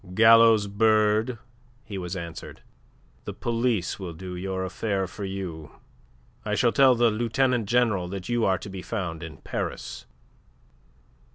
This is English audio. "Gallows bird!" he was answered. "The police will do your affair for you. I shall tell the Lieutenant General that you are to be found in Paris."